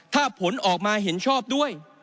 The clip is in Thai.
ถ้าผลออกมาเห็นชอบด้วย